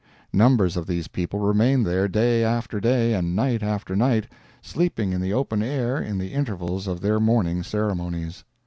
Numbers of these people remain there day after day and night after night, sleeping in the open air in the intervals of their mourning ceremonies.